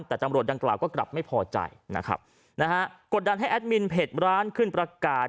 แต่ตำรวจดังกล่าวก็กลับไม่พอใจนะครับนะฮะกดดันให้แอดมินเพจร้านขึ้นประกาศ